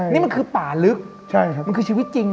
นี่คือป่าลึกนี่คือชีวิตจริง